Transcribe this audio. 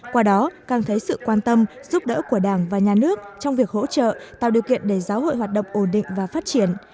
qua đó càng thấy sự quan tâm giúp đỡ của đảng và nhà nước trong việc hỗ trợ tạo điều kiện để giáo hội hoạt động ổn định và phát triển